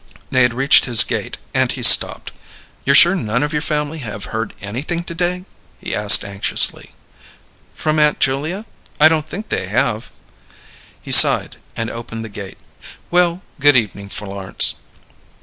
They had reached his gate, and he stopped. "You're sure none of your family have heard anything to day?" he asked anxiously. "From Aunt Julia? I don't think they have." He sighed, and opened the gate. "Well, good evening, Florence."